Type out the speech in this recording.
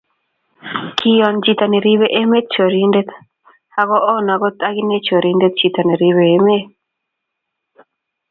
kiyoon chito neribe emet chorindet, ago oon agot agine chorindet chito neribe emet